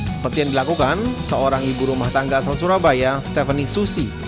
seperti yang dilakukan seorang ibu rumah tangga asal surabaya stephanie susi